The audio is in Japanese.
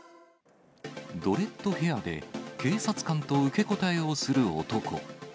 ドレッドヘアで、警察官と受け答えをする男。